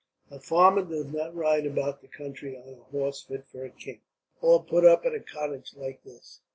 A farmer does not ride about the country on a horse fit for a king, or put up at a cottage like this."